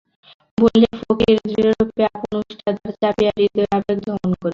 বলিয়া ফকির দৃঢ়রূপে আপন ওষ্ঠাধর চাপিয়া হৃদয়ের আবেগ দমন করিলেন।